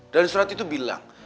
dan surat itu bilang